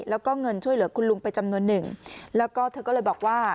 แล้วก็เงินช่วยเหลือคุณลุงไปจำนวนหนึ่งแล้วก็เธอก็เลยบอกว่า